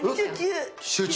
集中。